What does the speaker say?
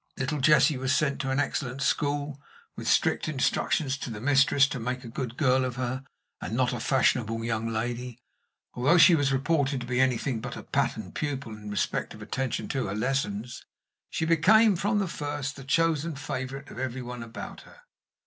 Little Jessie was sent to an excellent school, with strict instructions to the mistress to make a good girl of her, and not a fashionable young lady. Although she was reported to be anything but a pattern pupil in respect of attention to her lessons, she became from the first the chosen favorite of every one about her.